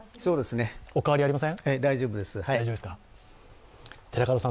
お変わりありません？